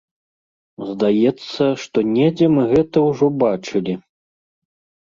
Здаецца, што недзе мы гэта ўжо бачылі.